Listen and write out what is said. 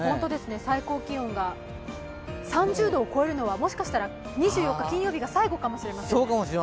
最高気温が３０度を超えるのはもしかしたら２４日金曜日が最後かもしれません。